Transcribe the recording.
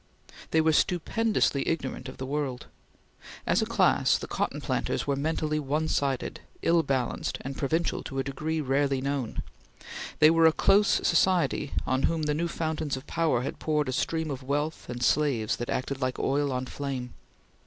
They were stupendously ignorant of the world. As a class, the cotton planters were mentally one sided, ill balanced, and provincial to a degree rarely known. They were a close society on whom the new fountains of power had poured a stream of wealth and slaves that acted like oil on flame.